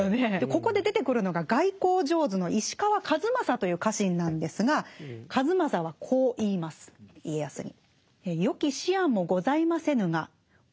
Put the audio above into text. ここで出てくるのが外交上手の石川数正という家臣なんですが数正はこう言います家康に。